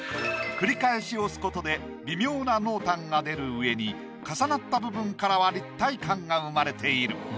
繰り返し押すことで微妙な濃淡が出るうえに重なった部分からは立体感が生まれている。